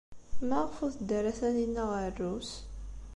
Maɣef ur teddi ara Taninna ɣer Rrus?